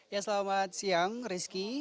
ya selamat siang rizky